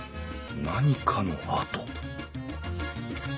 何かの跡？